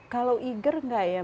kalau eager enggak ya